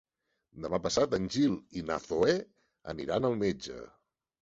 Demà passat en Gil i na Zoè aniran al metge.